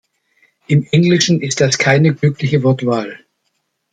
Im Englischen ist das keine glückliche Wortwahl.